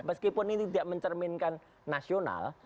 meskipun ini tidak mencerminkan nasional